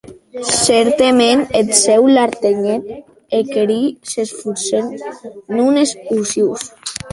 Cèrtament eth Cèu l’artenhen aqueri que s’esfòrcen, non es ociosi.